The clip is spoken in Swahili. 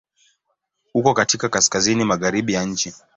Uko katika Kaskazini magharibi ya nchi.